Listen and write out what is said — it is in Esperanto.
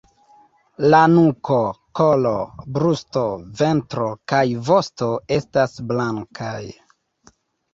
La nuko, kolo, brusto, ventro kaj vosto estas blankaj.